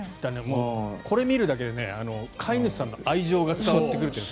これ見るだけで飼い主さんの愛情が伝わってくる。